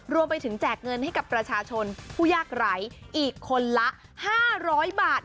รวมไปถึงแจกเงินให้กับประชาชนผู้ยากไร้อีกคนละ๕๐๐บาท